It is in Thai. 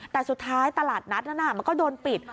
แต่สุดท้ายตลาดนัดนั้นมันก็โดนปิด